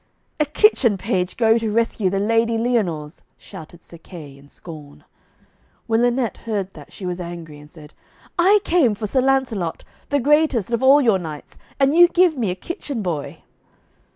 'A kitchen page go to rescue the Lady Lyonors!' shouted Sir Kay in scorn. When Lynette heard that, she was angry, and said, 'I came for Sir Lancelot, the greatest of all your knights, and you give me a kitchen boy.'